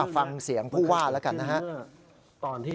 ฟังเสียงผู้ว่าแล้วกันนะครับ